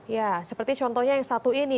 ya seperti contohnya yang satu ini